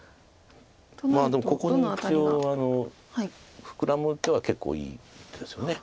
まあでもここに一応フクラむ手は結構いい手ですよね